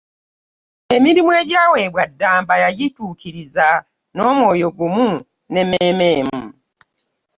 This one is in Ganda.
Emirimu egyaweebwa Ddamba yagituukiriza n’omwoyo gumu n’emmeeme emu.